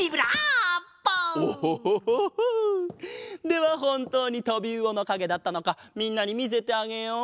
ではほんとうにとびうおのかげだったのかみんなにみせてあげよう！